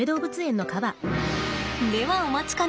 ではお待ちかね。